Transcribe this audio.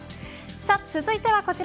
続いてはこちら。